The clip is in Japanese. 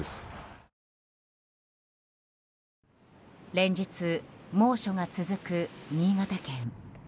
連日、猛暑が続く新潟県。